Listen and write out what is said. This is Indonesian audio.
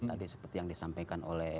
tadi seperti yang disampaikan oleh